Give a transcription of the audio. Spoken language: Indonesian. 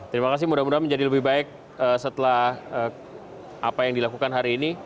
terima kasih mudah mudahan menjadi lebih baik setelah apa yang dilakukan hari ini